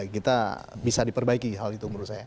kita bisa diperbaiki hal itu menurut saya